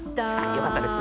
よかったです